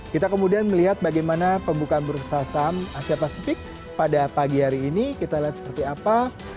kita kemudian melihat bagaimana pembukaan bursa saham asia pasifik pada pagi hari ini kita lihat seperti apa